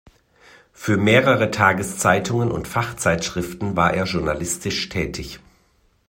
Für mehrere Tageszeitungen und Fachzeitschriften war er journalistisch tätig.